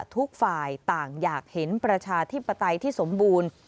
ทุกฝ่ายต่างอยากเห็นประชาธิปไตยที่สมบูรณ์